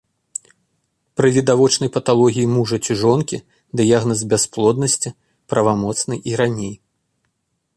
Пры відавочнай паталогіі мужа ці жонкі дыягназ бясплоднасці правамоцны і раней.